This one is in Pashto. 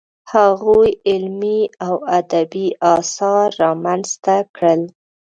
هغوی علمي او ادبي اثار رامنځته کړل.